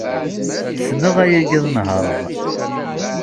Ssneɣ yagi ad nehṛeɣ.